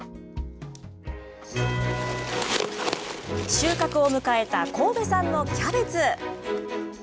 収穫を迎えた神戸産のキャベツ。